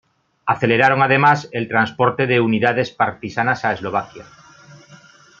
Aceleraron además el transporte de unidades partisanas a Eslovaquia.